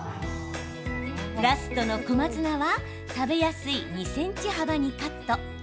ラストの小松菜は食べやすい２ｃｍ幅にカット。